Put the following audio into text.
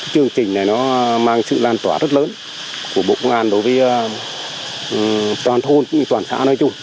chương trình này nó mang sự lan tỏa rất lớn của bộ công an đối với toàn thôn cũng như toàn xã nói chung